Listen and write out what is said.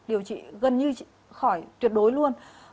điều trị gần như khỏi tuyệt đối luôn